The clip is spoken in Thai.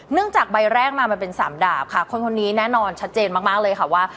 จากใบแรกมามันเป็นสามดาบค่ะคนคนนี้แน่นอนชัดเจนมากเลยค่ะว่า